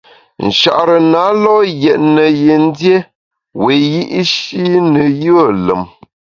Nchare na lo’ yètne yin dié wiyi’shi ne yùe lùm.